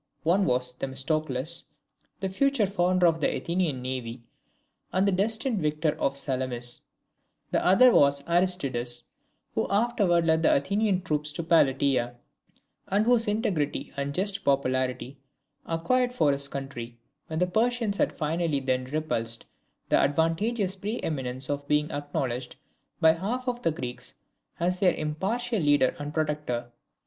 One was Themistocles, the future founder of the Athenian navy and the destined victor of Salamis: the other was Aristides, who afterwards led the Athenian troops at Plataea, and whose integrity and just popularity acquired for his country, when the Persians had finally been repulsed, the advantageous pre eminence of being acknowledged by half of the Greeks as their impartial leader and protector.